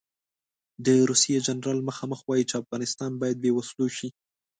د روسیې جنرال مخامخ وایي چې افغانستان باید بې وسلو شي.